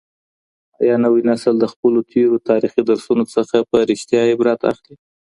آيا نوی نسل د خپلو تېرو تاريخي درسونو څخه په رښتيا عبرت اخلي؟